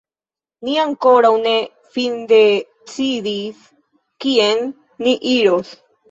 Ni ankoraŭ ne findecidis kien ni iros.